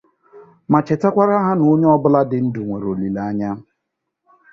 ma chetekwara ha na onye ọbụla dị ndụ nwere olileanya.